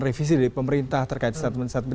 revisi dari pemerintah terkait statement statement